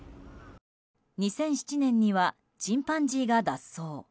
２００７年にはチンパンジーが脱走。